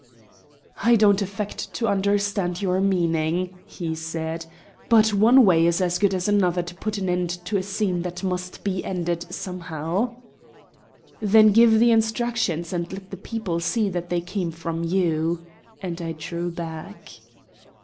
"I don't affect to understand your meaning," he said; "but one way is as good as another to put an end to a scene that must be ended somehow." "Then give the instructions, and let the people see that they come from you," and I drew back.